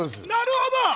なるほど！